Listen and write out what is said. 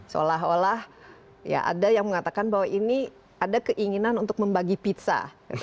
seolah olah ya ada yang mengatakan bahwa ini ada keinginan untuk membagi pizza